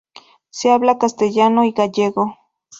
Se habla castellano y gallego.